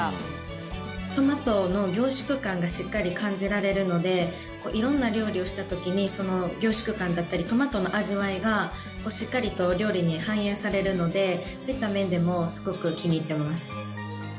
トマトの凝縮感がしっかり感じられるので色んな料理をした時に凝縮感だったりトマトの味わいがしっかりと料理に反映されるのでそういった面でもすごく気に入ってます。